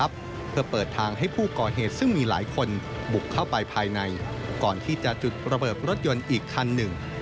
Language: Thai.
บุกเข้าไปภายในก่อนที่จะจุดระเบิดรถยนต์อีกคันหนึ่ง